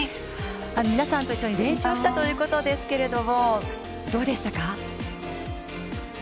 皆さんと一緒に練習をしたということでしたけれども、どうでしたか。